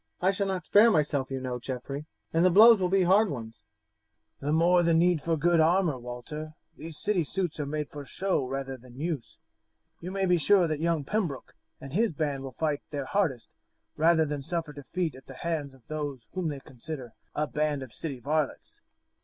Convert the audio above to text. "I shall not spare myself, you know, Geoffrey, and the blows will be hard ones. "The more need for good armour, Walter. These city suits are made for show rather than use. You may be sure that young Pembroke and his band will fight their hardest rather than suffer defeat at the hands of those whom they consider a band of city varlets."